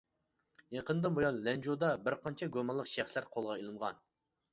يېقىندىن بۇيان لەنجۇدا بىر قانچە گۇمانلىق شەخسلەر قولغا ئېلىنغان.